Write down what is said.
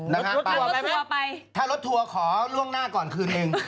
รถทัวร์ไปไหมถ้ารถทัวร์ขอล่วงหน้าก่อนคืนเอง